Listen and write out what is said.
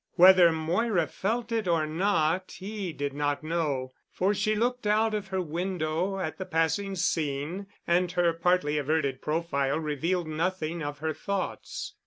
Whether Moira felt it or not he did not know, for she looked out of her window at the passing scene and her partly averted profile revealed nothing of her thoughts.